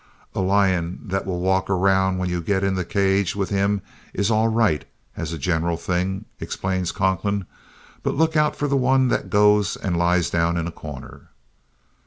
"A lion that will walk round when you get in the cage with him is all right, as a general thing," explains Conklin, "but look out for the one that goes and lies down in a corner."